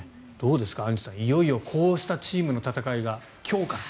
アンジュさん、いよいよこうしたチームの戦いが今日から。